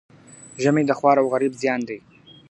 ژمی د خوار او غریب زیان دئ